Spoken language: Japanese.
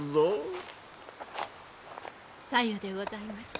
さ湯でございます。